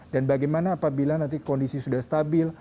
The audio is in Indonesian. dan bagaimana apabila nanti kondisi sudah stabil